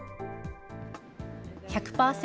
１００％